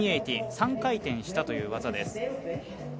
３回転したという技です。